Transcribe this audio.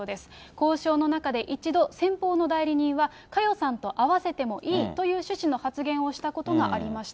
交渉の中で一度、先方の代理人は、佳代さんと会わせてもいいという趣旨の発言をしたことがありまし